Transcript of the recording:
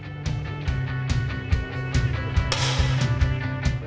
apakah musik tersebut memiliki peran yang kecil dan memiliki masalah